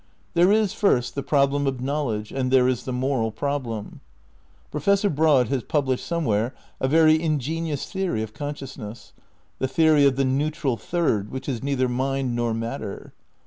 There is first the problem of knowledge,, and there is the moral problem. Professor Broad has published somewhere a very in genious theory of consciousness : the theory of the neu tral third which is neither mind nor matter.